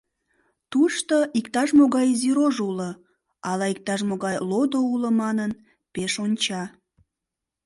Тушто иктаж-могай изи рож уло, ала иктаж-могай лодо уло манын, пеш онча.